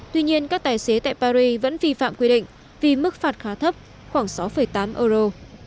tuy nhiên các tài xế tại paris vẫn vi phạm quy định vì mức phạt khá thấp khoảng sáu tám euro